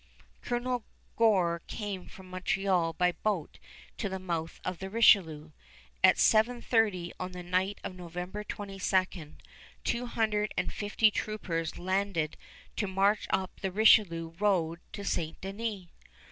Colonel Gore came from Montreal by boat to the mouth of the Richelieu. At seven thirty on the night of November 22 two hundred and fifty troopers landed to march up the Richelieu road to St. Denis.